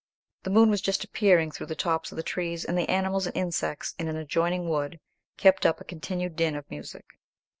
The moon was just appearing through the tops of the trees, and the animals and insects in an adjoining wood kept up a continued din of music.